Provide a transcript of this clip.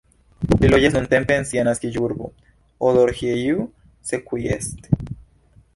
Li loĝas nuntempe en sia naskiĝurbo, Odorheiu Secuiesc.